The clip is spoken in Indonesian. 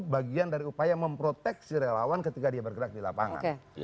bagian dari upaya memproteksi relawan ketika dia bergerak di lapangan